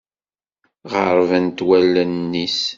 Ɣeṛṛbent wallen-is.